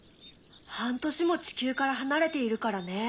半年も地球から離れているからね。